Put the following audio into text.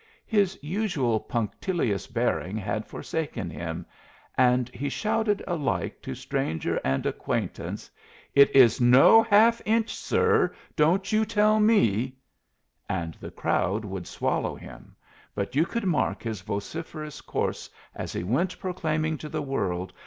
His usual punctilious bearing had forsaken him, and he shouted alike to stranger and acquaintance: "It is no half inch, sir! Don't you tell me"' And the crowd would swallow him, but you could mark his vociferous course as he went proclaiming to the world.